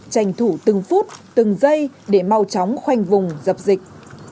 tranh thủ từng phút từng giây để mau chóng khoanh vùng dập dịch